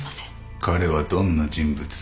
彼はどんな人物だ？